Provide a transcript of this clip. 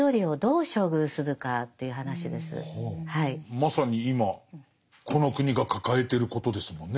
まさに今この国が抱えてることですもんね。